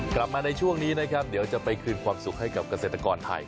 กลับมาในช่วงนี้นะครับเดี๋ยวจะไปคืนความสุขให้กับเกษตรกรไทย